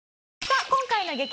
さあ今回の激